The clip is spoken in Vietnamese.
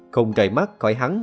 không rời mắt khỏi hắn